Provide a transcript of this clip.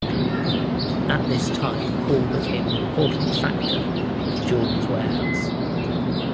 At this time Paul became an important factor in Jordan’s warehouse.